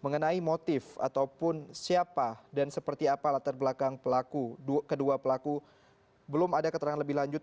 mengenai motif ataupun siapa dan seperti apa latar belakang pelaku kedua pelaku belum ada keterangan lebih lanjut